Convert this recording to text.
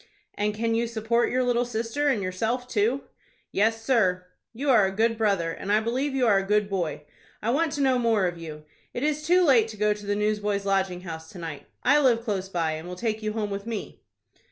"And can you support your little sister, and yourself too?" "Yes, sir." "You are a good brother, and I believe you are a good boy. I want to know more of you. It is too late to go to the Newsboys' Lodging House to night. I live close by, and will take you home with me."